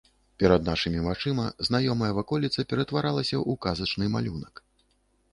Перад нашымі вачыма знаёмая ваколіца ператваралася ў казачны малюнак.